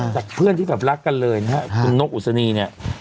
จากเพื่อนที่แบบรักกันเลยนะครับคุณนกอุศนีเนี่ย